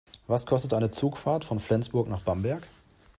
Was kostet eine Zugfahrt von Flensburg nach Bamberg?